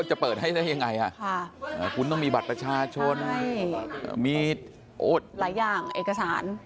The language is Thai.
จะเปิดให้ได้ยังไงคุณต้องมีบัตรประชาชนมีหลายอย่างเอกสาร